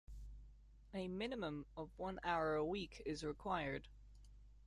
A minimum of one hour a week is required.